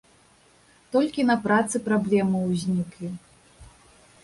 Толькі на працы праблемы ўзніклі.